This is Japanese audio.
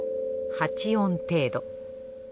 ８音程度。